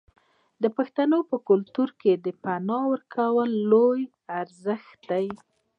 د پښتنو په کلتور کې د پنا ورکول لوی ارزښت دی.